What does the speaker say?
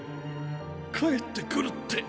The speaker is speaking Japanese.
帰ってくるって。